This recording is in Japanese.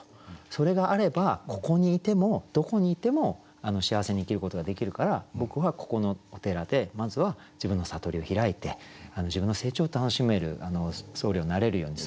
それがあればここにいてもどこにいても幸せに生きることができるから僕はここのお寺でまずは自分の悟りを開いて自分の成長を楽しめる僧侶になれるように。